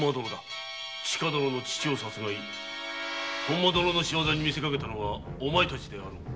千加殿の父を殺害本間殿の仕業にみせかけたのはお前たちであろうが。